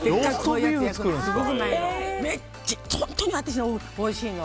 本当においしいの。